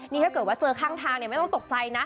นี่ถ้าเกิดว่าเจอข้างทางไม่ต้องตกใจนะ